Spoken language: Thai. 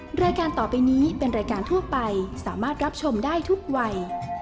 รายการต่อไปนี้เป็นรายการทั่วไปสามารถรับชมได้ทุกวัย